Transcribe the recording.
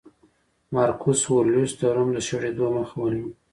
مارکوس اورلیوس د روم د شړېدو مخه ونیوله